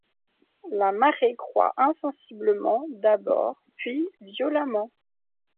La marée croît insensiblement d’abord, puis violemment.